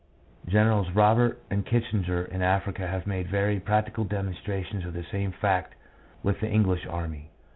Generals Roberts and Kitchener in Africa have made very practical demonstrations of the same fact with the English army.